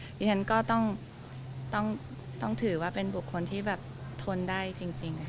เพราะฉะนั้นก็ต้องถือว่าเป็นบุคคลที่แบบทนได้จริงนะครับ